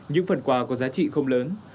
những phần quà có giá trị không lớn